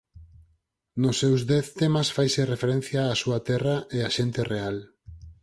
Nos seus dez temas faise referencia á súa terra e a xente real.